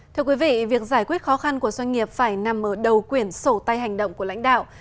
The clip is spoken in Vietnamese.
thưa quý vị việc giải quyết khó khăn của doanh nghiệp phải nằm ở đầu quyển sổ tay hành động của lãnh đạo